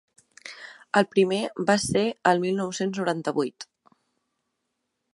El primer va ser el mil nou-cents noranta-vuit.